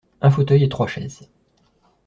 Un fauteuil et trois chaises.